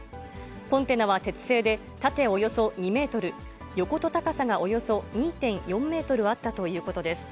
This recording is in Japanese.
コンテナは鉄製で、縦およそ２メートル、横と高さがおよそ２．４メートルあったということです。